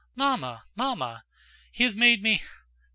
"Mamma!... Mamma!... He has made me..."